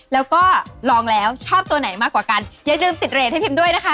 แล้วก็ลองแล้วชอบตัวไหนมากกว่ากันอย่าลืมติดเรทให้พิมด้วยนะคะ